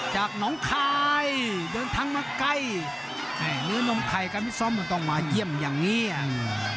จากหนองคายเดินทางมาใกล้นี่น้องไข่กับมิสอมต้องมาเยี่ยมอย่างนี้อันนั้น